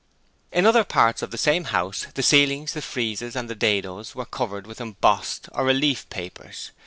In other parts of the same house the ceilings, the friezes, and the dados, were covered with 'embossed' or 'relief' papers.